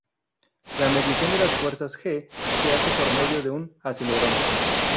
La medición de las fuerzas "g" se hace por medio de un acelerómetro.